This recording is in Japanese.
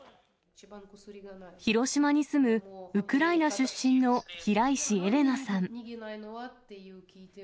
広島に住む、ウクライナ出身の平石エレナさん。